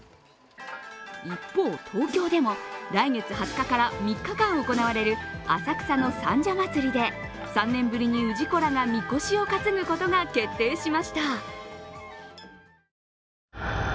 一方、東京でも来月２０日から３日間行われる浅草の三社祭で３年ぶりに氏子らがみこしを担ぐことが決定しました。